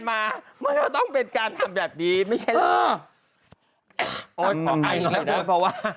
มามันก็ต้องเป็นการทำแบบนี้ไม่ใช่เออโอ้ยเพราะว่าอืม